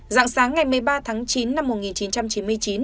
dạng sáng ngày một mươi ba tháng chín năm một nghìn chín trăm chín mươi chín